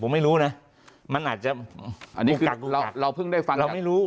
ผมไม่รู้นะมันอาจจะบุกกักบุกกัก